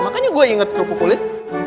makanya gue inget kerupuk kulit